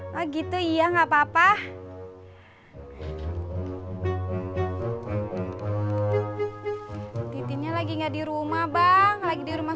bareng ah gitu iya nggak papa titinya lagi nggak di rumah bang lagi di rumah